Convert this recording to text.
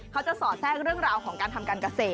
สอดแทรกเรื่องราวของการทำการเกษตร